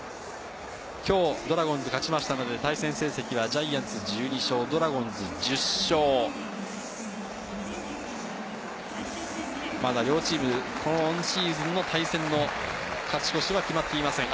今日ドラゴンズは勝ったので、対戦成績はジャイアンツ１２勝、ドラゴンズ１０勝、まだ両チーム、今シーズンの対戦の勝ち星は決まっていません。